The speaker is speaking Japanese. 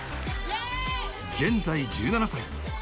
現在１７歳。